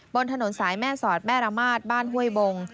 บนถนนสายแม่สอดแม่ระมาทบ้านห้วยบง